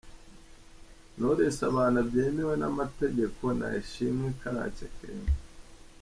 Knowless abana byemewe n'amategeko na Ishimwe Karake Clement .